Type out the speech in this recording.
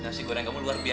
haci goreng dunia